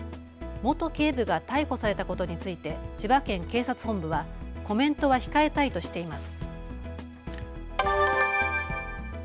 元警部が逮捕されたことについて千葉県警察本部はコメントは控えたいとしています。